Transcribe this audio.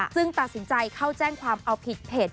ซึ่งตัดสินใจเข้าแจ้งความเอาผิดเพจ